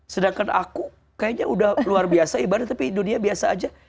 sedangkan aku kayaknya udah luar biasa ibadah tapi dunia biasa aja